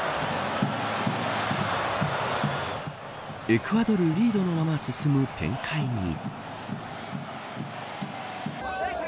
エクアドルリードのまま進む展開に。